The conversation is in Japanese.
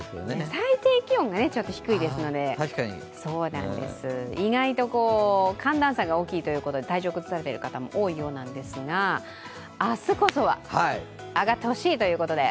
最低気温が低いですので、意外と寒暖差が大きいということで体調を崩されている方も多いようなんですが、明日こそは上がってほしいということで。